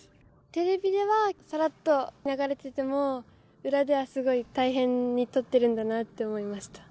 テレビではさらっと流れてても裏ではすごい大変に撮ってるんだなって思いました。